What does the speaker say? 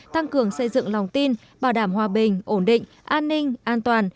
tăng cường xây dựng lòng tin bảo đảm hòa bình ổn định an ninh an toàn